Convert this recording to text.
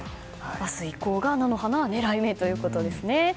明日以降が菜の花は狙い目ということですね。